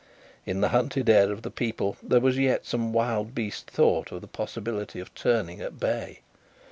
In the hunted air of the people there was yet some wild beast thought of the possibility of turning at bay.